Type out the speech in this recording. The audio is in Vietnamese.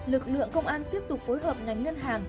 lực lượng công an tiếp tục phối hợp ngành ngân hàng